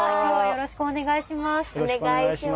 よろしくお願いします。